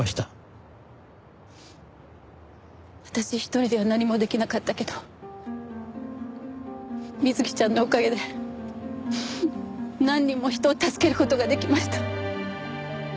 私一人では何もできなかったけど美月ちゃんのおかげで何人も人を助ける事ができました。